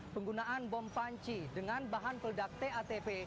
penggunaan bom panci dengan bahan peledak tatp